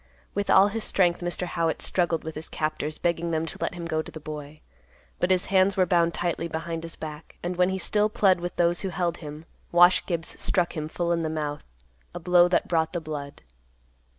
With all his strength, Mr. Howitt struggled with his captors, begging them to let him go to the boy. But his hands were bound tightly behind his back, and when he still plead with those who held him, Wash Gibbs struck him full in the mouth, a blow that brought the blood.